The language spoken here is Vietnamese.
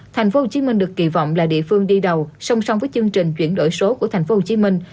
thành phố hồ chí minh được kỳ vọng là địa phương đi đầu song song với chương trình chuyển đổi số của thành phố hồ chí minh